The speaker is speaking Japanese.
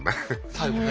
最後ね。